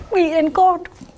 bị lên con